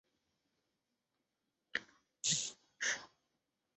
সংস্থাটির উদ্যোগে ও আন্দোলনের মুখে সরকার এ বিষয়ে একটি সুস্পষ্ট নীতি প্রণয়ন করে।